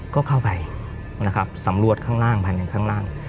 ก็เข้าไปนะครับสำรวจข้างล่างภายในข้างล่าง